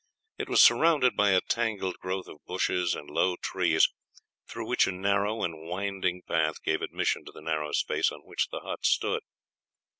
It was surrounded by a tangled growth of bushes and low trees, through which a narrow and winding path gave admission to the narrow space on which the hut stood.